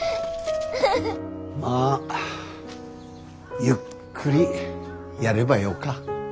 まあゆっくりやればよか。